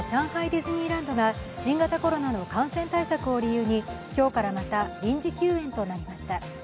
ディズニーランドが新型コロナの感染対策を理由に今日からまた臨時休園となりました。